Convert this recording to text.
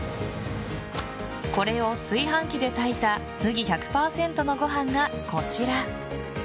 これを炊飯器で炊いた麦１００％のご飯がこちら。